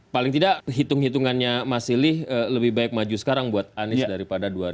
paling tidak hitung hitungannya mas silih lebih baik maju sekarang buat anies daripada dua ribu dua puluh empat ya